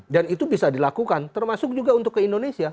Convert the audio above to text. dan itu bisa dilakukan termasuk juga untuk ke indonesia